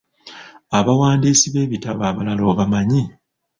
Abawandiisi b’ebitabo abalala obamanyi?